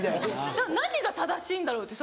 何が正しいんだろう？って。